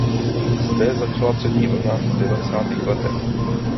Zde začala třetí vlna v devadesátých letech.